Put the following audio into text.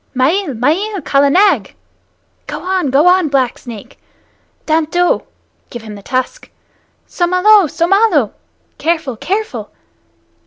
"Mael, mael, Kala Nag! (Go on, go on, Black Snake!) Dant do! (Give him the tusk!) Somalo! Somalo! (Careful, careful!)